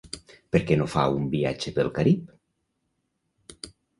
Per què no fa un viatge pel Carib?